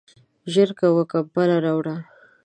ژر کوه ، کمپل راوړه !